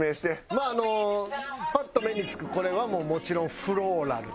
まああのパッと目につくこれはもちろん「フローラル」です。